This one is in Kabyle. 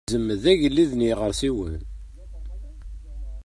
Izem d agellid n yiɣersiwen.